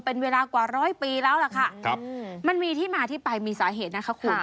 เป็นเวลากว่าร้อยปีแล้วล่ะค่ะครับมันมีที่มาที่ไปมีสาเหตุนะคะคุณ